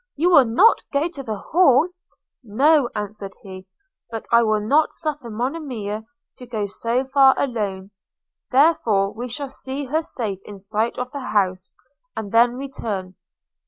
You will not go to the Hall?' – 'No,' answered he; 'but I will not suffer Monimia to go so far alone; therefore we will see her safe in sight of the house, and then return.'